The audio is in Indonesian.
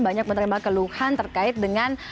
banyak menerima keluhan terkait dengan